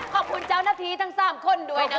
ขอบคุณเจ้าหน้าที่ทั้ง๓คนด้วยนะ